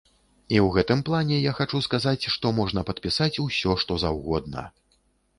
І ў гэтым плане я хачу сказаць, што можна падпісаць усё што заўгодна.